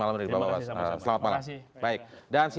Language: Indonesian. malam ini selamat malam terima kasih